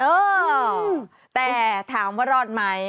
เออแต่ถามว่ารอดไหม